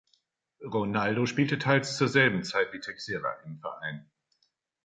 Ronaldo spielte teils zur selben Zeit wie Teixeira im Verein.